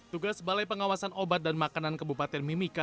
tugas balai pengawasan obat dan makanan kabupaten mimika